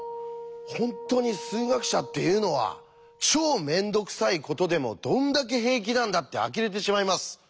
本当に数学者っていうのは超面倒くさいことでもどんだけ平気なんだってあきれてしまいます。